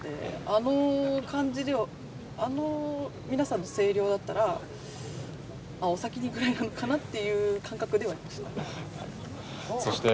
あの感じではあの皆さんの声量だったらお先にぐらいかなという感覚ではいました。